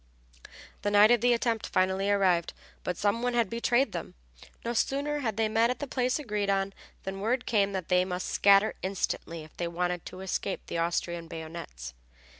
The night of the attempt finally arrived but some one had betrayed them. No sooner had they met at the place agreed on than word came that they must scatter instantly if they wanted to escape the Austrian bayonets.